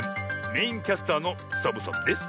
メインキャスターのサボさんです！